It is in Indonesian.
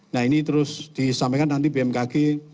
nah ini terus disampaikan nanti bmkg